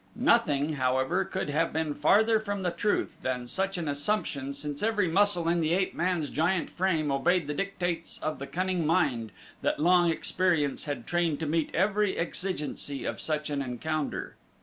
Nothing, however, could have been farther from the truth than such an assumption since every muscle in the ape man's giant frame obeyed the dictates of the cunning mind that long experience had trained to meet every exigency of such an encounter.